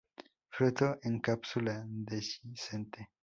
Fruto en cápsula dehiscente.